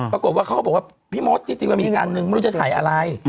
ปรากฏว่าเขาก็บอกว่าพี่มดที่จริงมันมีอีกอันนึงไม่รู้จะถ่ายอะไร